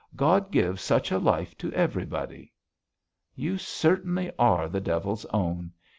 "God give such a life to everybody." "You certainly are the devil's own.